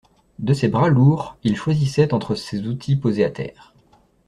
De ses bras lourds, il choisissait entre ses outils posés à terre.